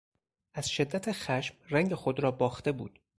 از شدت خشم رنگ خود را باخته بود.